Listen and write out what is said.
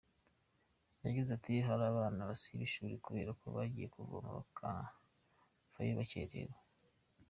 Yagize ati “Hari abana basiba ishuri kubera ko bagiye kuvoma bakavayo bakerewe.